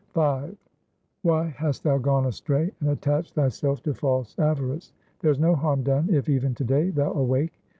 V Why hast thou gone astray and attached thyself to false avarice ? There is no harm done if even to day thou awake.